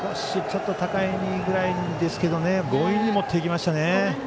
ちょっと高いぐらいですけど強引に持っていきましたね。